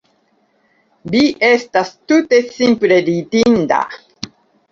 Vi estas tute simple ridinda.